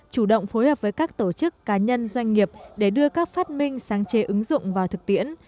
chủ động phối hợp với các tổ chức cá nhân doanh nghiệp để đưa các phát minh sáng chế ứng dụng vào thực tiễn